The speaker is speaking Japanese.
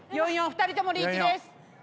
２人ともリーチです。